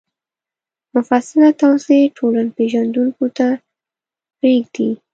مفصله توضیح ټولنپېژندونکو ته پرېږدي